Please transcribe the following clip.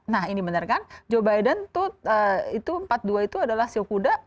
nah ini benar kan joe biden itu empat dua itu adalah show kuda